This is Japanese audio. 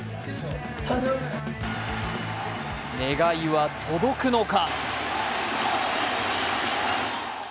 願いは届くのか。